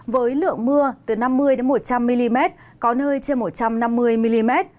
với lượng mưa từ năm mươi một trăm linh mm có nơi trên một trăm năm mươi mm